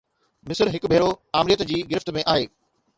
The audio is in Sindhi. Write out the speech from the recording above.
مصر هڪ ڀيرو ٻيهر آمريت جي گرفت ۾ آهي.